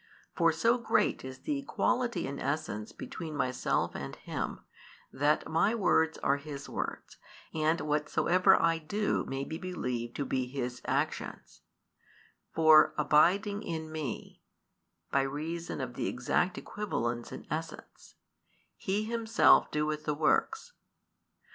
For so great is the equality in essence between Myself and Him, that My words are His words, and whatsoever I do may be believed to be His actions: for abiding in Me, by reason of the exact equivalence in essence, He Himself doeth the works."